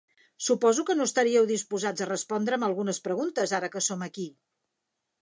Suposo que no estaríeu disposats a respondre'm algunes preguntes ara que som aquí?